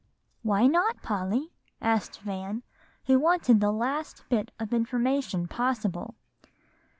"Why not, Polly?" asked Van, who wanted the last bit of information possible.